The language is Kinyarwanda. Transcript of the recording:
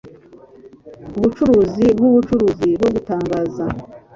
ubucuruzi bwubucuruzi bwo gutangaza